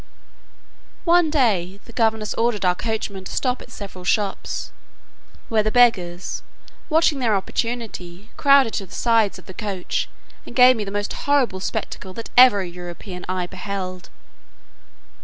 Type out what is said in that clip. One day the governess ordered our coachman to stop at several shops, where the beggars, watching their opportunity, crowded to the sides of the coach, and gave me the most horrible spectacle that ever a European eye beheld.